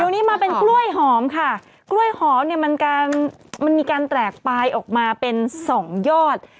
เดี๋ยวนี้มาเป็นกล้วยหอมค่ะกล้วยหอมเนี่ยมันการมันมีการแตกปลายออกมาเป็นสองยอด